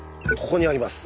ここにあります。